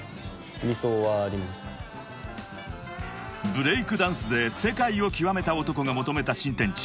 ［ブレイクダンスで世界を極めた男が求めた新天地］